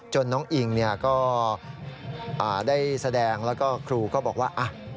น้องอิงก็ได้แสดงแล้วก็ครูก็บอกว่า